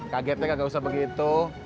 kagetnya gak usah begitu